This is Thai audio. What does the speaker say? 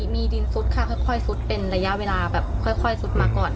มีดินซุดค่ะค่อยซุดเป็นระยะเวลาแบบค่อยซุดมาก่อน